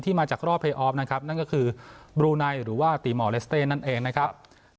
ที่มาจากรอบนะครับนั่นก็คือหรือว่านั่นเองนะครับ